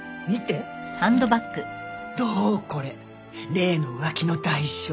例の浮気の代償。